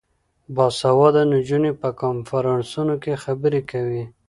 باسواده نجونې په کنفرانسونو کې خبرې کوي.